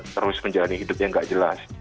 terus menjalani hidup yang tidak jelas